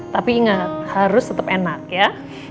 tapi ingat harus tetap enak ya